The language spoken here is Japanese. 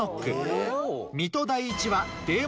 水戸第一は。